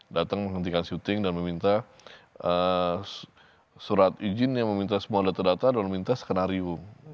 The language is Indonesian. datang menghentikan syuting dan meminta surat izin yang meminta semua data data dan minta skenario